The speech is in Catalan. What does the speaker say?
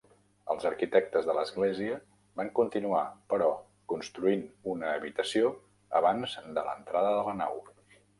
Els arquitectes de l'església van continuar, però, construint una habitació abans de l'entrada de la nau.